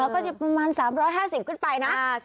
ก็จะอยู่ประมาณ๓๕๐บาทขึ้นไปนะ